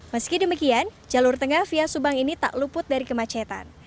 meski demikian jalur tengah via subang ini tak luput dari kemacetan